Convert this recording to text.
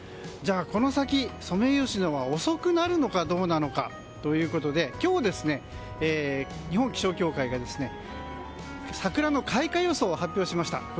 じゃあ、この先ソメイヨシノは遅くなるのかどうなのかということで今日、日本気象協会が桜の開花予想を発表しました。